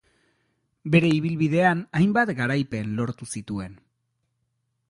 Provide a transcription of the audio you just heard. Bere ibilbidean hainbat garaipen lortu zituen.